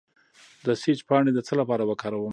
د سیج پاڼې د څه لپاره وکاروم؟